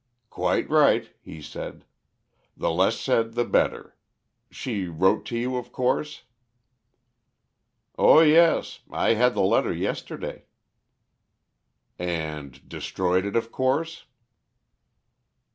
"Quite right," he said. "The less said the better. She wrote to you, of course?" "Oh, yes. I had the letter yesterday." "And destroyed it, of course?"